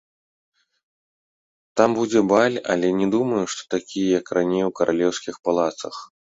Там будзе баль, але не думаю, што такі, як раней у каралеўскіх палацах.